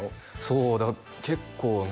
そう結構ね